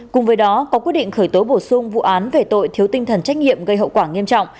cùng với đó có quyết định khởi tố bổ sung vụ án về tội thiếu tinh thần trách nhiệm gây hậu quả nghiêm trọng